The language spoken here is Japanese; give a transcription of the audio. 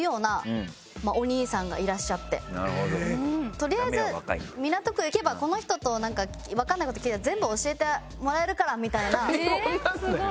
とりあえず港区行けばこの人となんかわかんない事聞いたら全部教えてもらえるからみたいな。